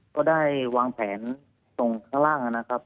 ก็ได้วางแผนตรงข้างล่างนะครับ